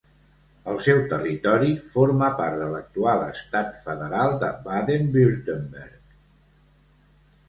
El seu territori forma part de l'actual estat federal de Baden-Württemberg.